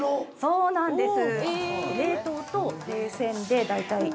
◆そうなんです。